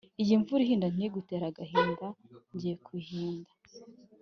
Iyi mvura ihinda Ntigutere agahinda Ngiye kuyihinda.